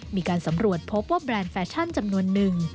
มีการสำรวจพบว่าแบรนด์แฟชั่นจำนวนนึง